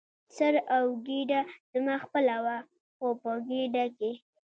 سر او ګېډه زما خپله وه، خو په ګېډه کې.